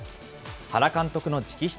原監督の直筆